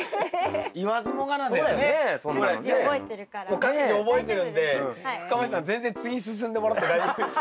もう各自覚えてるんで深町さん全然次進んでもらって大丈夫ですよ。